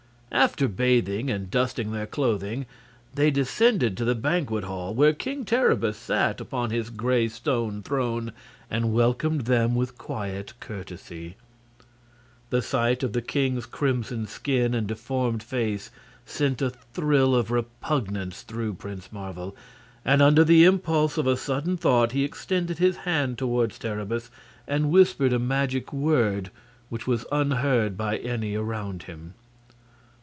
After bathing and dusting their clothing they descended to the banquet hall, where King Terribus sat upon his gray stone throne and welcomed them with quiet courtesy. The sight of the king's crimson skin and deformed face sent a thrill of repugnance through Prince Marvel, and under the impulse of a sudden thought he extended his hand toward Terribus and whispered a magic word which was unheard by any around him.